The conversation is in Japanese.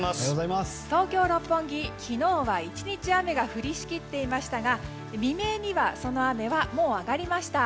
東京・六本木、昨日は１日雨が降りしきっていましたが未明にはその雨はもう上がりました。